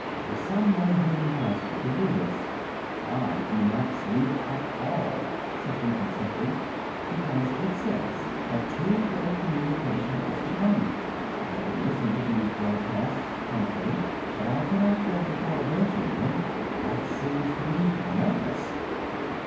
If some non human monster could do this " "I do not sleep at all," said Lecky simply. "Because it says that two way communication is to come. I can listen to these broadcasts tranquilly, but I cannot bear the thought of answering them. That seems to me madness!"